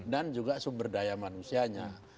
dan juga sumber daya manusianya